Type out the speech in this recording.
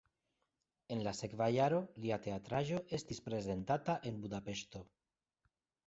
En la sekva jaro lia teatraĵo estis prezentata en Budapeŝto.